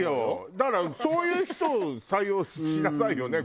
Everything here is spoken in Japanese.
だからそういう人を採用しなさいよねこれから。